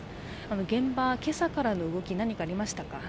現場、今朝からの動き、何かありましたか？